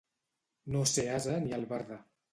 No ser ase ni albarda.